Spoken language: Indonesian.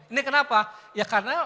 ini kenapa ya karena